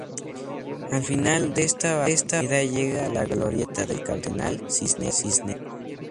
Al final de esta avenida llega a la Glorieta del Cardenal Cisneros.